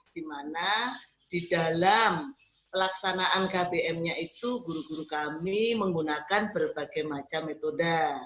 di mana di dalam pelaksanaan ktm nya itu guru guru kami menggunakan berbagai macam metode